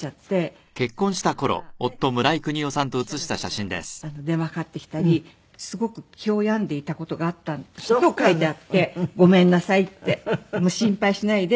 それで母が記者の人から電話がかかってきたりすごく気を病んでいた事があったと書いてあって「ごめんなさい」って「心配しないで」